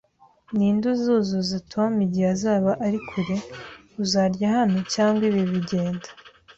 Ninde uzuzuza Tom igihe azaba ari kure? Uzarya hano cyangwa ibi bigenda?